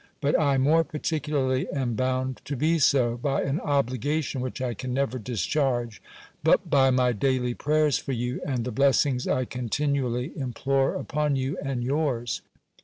But I more particularly am bound to be so, by an obligation which I can never discharge, but by my daily prayers for you, and the blessings I continually implore upon you and yours.